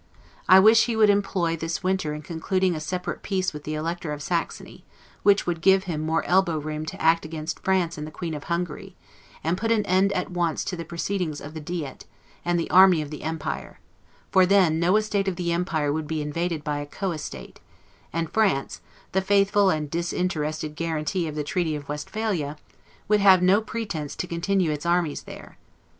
I wish he would employ this winter in concluding a separate peace with the Elector of Saxony; which would give him more elbowroom to act against France and the Queen of Hungary, and put an end at once to the proceedings of the Diet, and the army of the empire; for then no estate of the empire would be invaded by a co estate, and France, the faithful and disinterested guarantee of the Treaty of Westphalia, would have no pretense to continue its armies there.